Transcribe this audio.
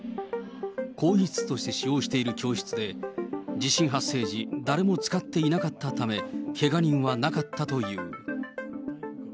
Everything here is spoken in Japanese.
更衣室として使用している教室で、地震発生時、誰も使っていなかったため、けが人はなかったという。